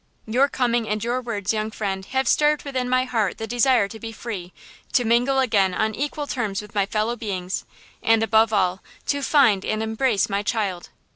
Your coming and your words, young friend, have stirred within my heart the desire to be free, to mingle again on equal terms with my fellow beings, and above all, to find and embrace my child.